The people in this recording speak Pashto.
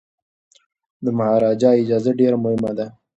د مهاراجا اجازه ډیره مهمه ده.